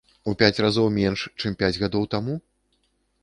У пяць разоў менш, чым пяць гадоў таму?